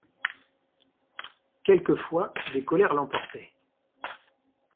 Quelquefois des colères l'emportaient.